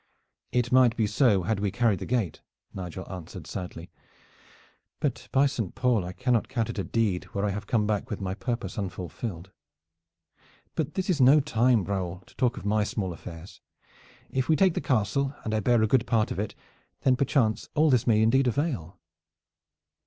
"It might have been so had we carried the gate," Nigel answered sadly; "but by Saint Paul! I cannot count it a deed where I have come back with my purpose unfulfilled. But this is no time, Raoul, to talk of my small affairs. If we take the castle and I bear a good part in it, then perchance all this may indeed avail."